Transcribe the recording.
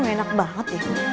nggak enak banget ya